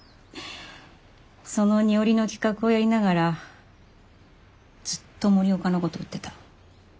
その二折の企画をやりながらずっと森岡のこと追ってた。